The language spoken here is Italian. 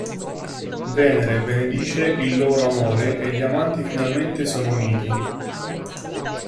Venere benedice il loro amore e gli amanti finalmente sono uniti.